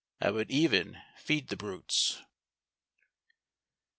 I would even feed the brutes.